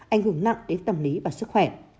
anh hùng nặng đến tâm lý và sức khỏe